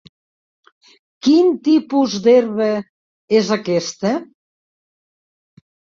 Quin tipus d'herba és aquesta?